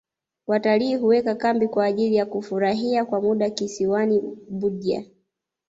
watalii huweka kambi kwa ajili ya kufurahia kwa muda kisiwani budya